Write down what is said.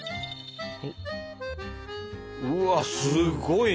うわっすごいね。